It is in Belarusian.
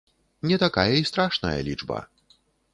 Не такая і страшная лічба.